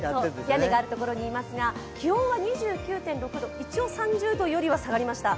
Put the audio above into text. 屋根があるところにいますが気温は２９．６度、一応３０度よりは下がりました。